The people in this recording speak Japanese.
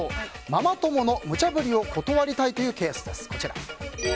ママ友のむちゃ振りを断りたいというケース。